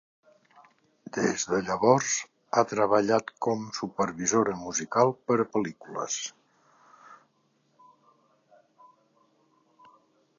Des de llavors, ha treballat com supervisora musical per a pel·lícules.